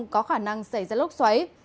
có khả năng xảy ra lốc xoáy